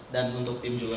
dan untuk tim juga